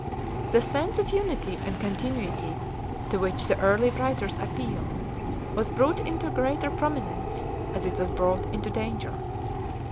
The sense of unity and continuity to which the early writers appeal was brought into greater prominence as it was brought into danger.